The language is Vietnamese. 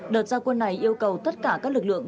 đợt giao quân này yêu cầu tất cả các lực lượng